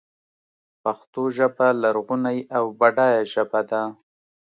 پښتو ژبه لرغونۍ او بډایه ژبه ده.